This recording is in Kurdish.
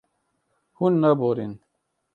Hûn naborin.